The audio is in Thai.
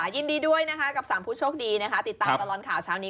ยินดีด้วยนะคะกับ๓ผู้โชคดีนะคะติดตามตลอดข่าวเช้านี้